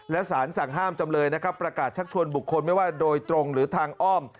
และสารสั่งห้ามจำเลยนะครับประกาศชักชวนบุคคลไม่ว่าโดยตรงหรือทางอ้อม